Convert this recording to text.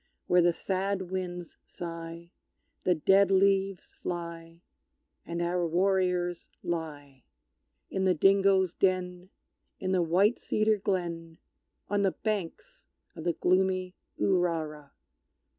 Where the sad winds sigh The dead leaves fly, And our warriors lie; In the dingoes' den in the white cedar glen On the banks of the gloomy Urara!